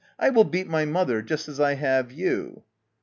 I shall beat my mother just as I have you.